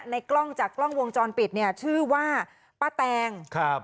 ในกล้องจากกล้องวงจรปิดชื่อว่าป้าแตง